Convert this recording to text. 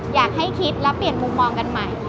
อยากให้คิดและเปลี่ยนมุมมองกันใหม่